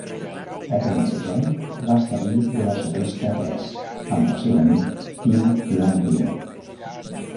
Aquell mateix any, va establir Grosseteste Press amb el seu amic Tim Longville.